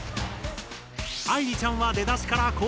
愛莉ちゃんは出だしから好調。